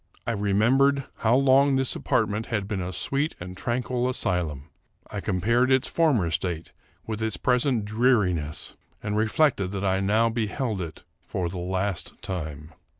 I remembered how long this apartment had been a sweet and tranquil asylum ; I compared its former state with its present dreariness, and reflected that I now beheld it for the last time.